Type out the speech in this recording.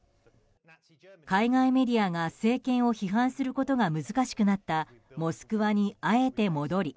海外メディアが政権を批判することが難しくなったモスクワに、あえて戻り。